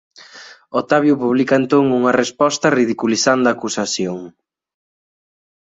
Octavio publica entón unha resposta ridiculizando a acusación.